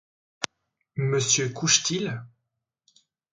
Monsieur couche-t-il?